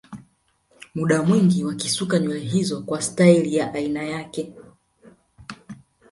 Muda mwingi wakisuka nywele hizo kwa stairi ya aina yake